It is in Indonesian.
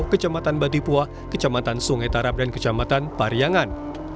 kecamatan batipuah kecamatan sungai tarap dan kecamatan pariangan